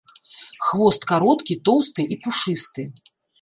Хвост кароткі, тоўсты і пушысты.